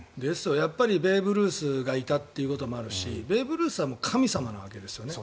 やっぱりベーブ・ルースがいたってこともあるしベーブ・ルースさんは神様なんですよね。